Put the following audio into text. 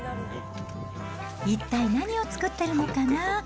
一体何を作ってるのかな。